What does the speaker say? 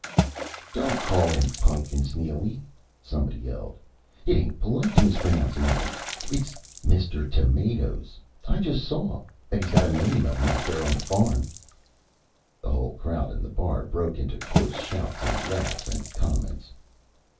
"Don't call him Pun'kins, Neely!" somebody yelled. "It ain't polite to mispronounce a name. It's Mr. Tomatoes. I just saw. Bet he's got a million of 'em, out there on the farm!" The whole crowd in the bar broke into coarse shouts and laughs and comments.